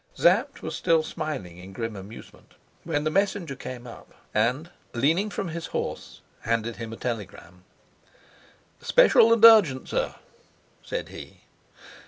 Sapt was still smiling in grim amusement when the messenger came up and, leaning from his home, handed him a telegram. "Special and urgent, sir," said he.